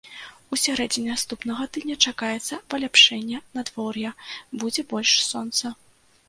У сярэдзіне наступнага тыдня чакаецца паляпшэння надвор'я, будзе больш сонца.